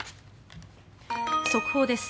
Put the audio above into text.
速報です。